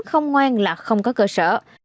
không ngoan là không có cơ sở